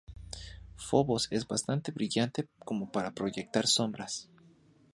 Fobos es bastante brillante como para proyectar sombras.